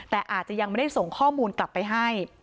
แต่อาจจะยังไม่ได้ส่งข้อมูลกลับไปให้